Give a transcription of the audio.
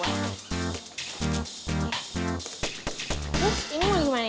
terus ini mau gimana